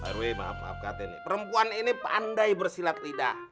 pak herwe maaf maaf katanya nih perempuan ini pandai bersilat lidah